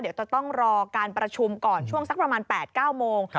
เดี๋ยวจะต้องรอการประชุมก่อนช่วงสักประมาณ๘๙โมง